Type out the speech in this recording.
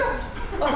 あっ。